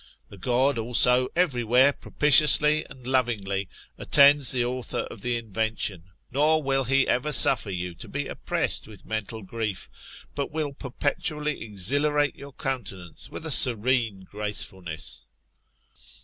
The God also every where propitiously and lovingly attends the author of the invention, nor will he ever suffer you to be oppressed with mental grief, but will perpetually exhilarate your countenance with a serene gracefulness.